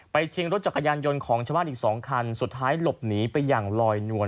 ชิงรถจักรยานยนต์ของชาวบ้านอีก๒คันสุดท้ายหลบหนีไปอย่างลอยนวล